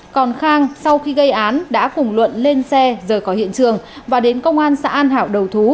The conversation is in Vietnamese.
còn khang sau khi gây án đã cùng luận lên xe rời khỏi hiện trường và đến công an xã an hảo đầu thú